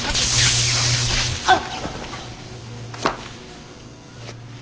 あっ。